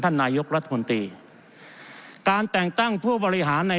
ท่านนายกรัฐมนตรีการแต่งตั้งผู้บริหารใน